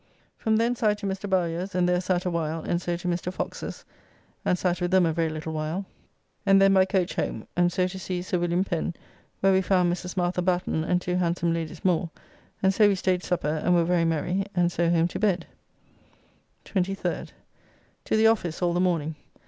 From thence I to Mr. Bowyer's, and there sat a while, and so to Mr. Fox's, and sat with them a very little while, and then by coach home, and so to see Sir Win. Pen, where we found Mrs. Martha Batten and two handsome ladies more, and so we staid supper and were very merry, and so home to bed. 23rd. To the office all the morning.